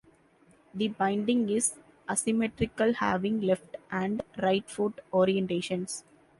The binding is asymmetrical, having left and right foot orientations.